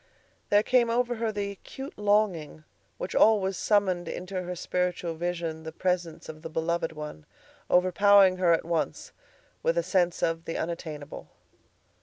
There came over her the acute longing which always summoned into her spiritual vision the presence of the beloved one, overpowering her at once with a sense of the unattainable.